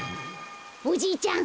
おじいちゃん